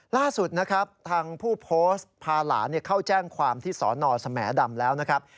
ล่าสุดนะครับทางผู้โพสต์พาหลานเข้าแจ้งความที่สอนอสแหมดำแล้วนะครับ